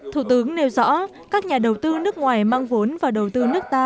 thủ tướng nêu rõ các nhà đầu tư nước ngoài mang vốn và đầu tư nước ta